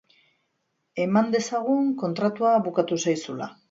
Eman dezagun kontratua bukatu zaizula.